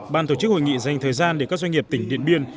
ban tổ chức hội nghị dành thời gian để các doanh nghiệp tỉnh điện biên